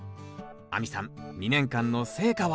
亜美さん２年間の成果は？